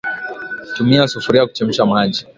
Tumia sufuria kuchemsha maji